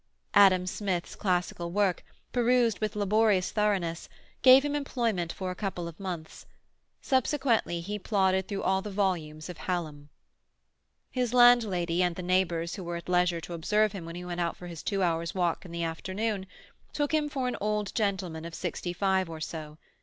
Adam Smith's classical work, perused with laborious thoroughness, gave him employment for a couple of months; subsequently he plodded through all the volumes of Hallam. His landlady, and the neighbours who were at leisure to observe him when he went out for his two hours' walk in the afternoon, took him for an old gentleman of sixty five or so.